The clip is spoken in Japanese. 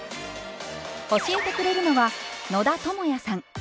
教えてくれるのは野田智也さん。